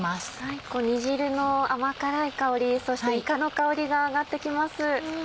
煮汁の甘辛い香りそしていかの香りが上がって来ます。